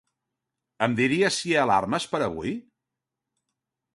Em diries si hi ha alarmes per avui?